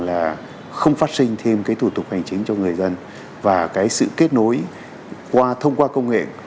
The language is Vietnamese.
là không phát sinh thêm cái thủ tục hành chính cho người dân và cái sự kết nối qua thông qua công nghệ